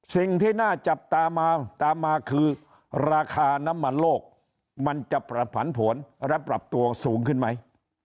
สิ่งที่น่าจับตามาตามมาคือราคาน้ำมันโลกมันจะประผันผวนและปรับตัวสูงขึ้นไหม